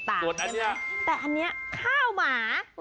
แต่อันนี้ข้าวหมา